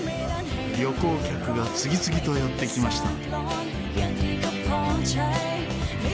旅行客が次々とやって来ました。